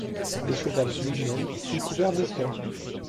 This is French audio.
Le cheval lui-même fut couvert de fer.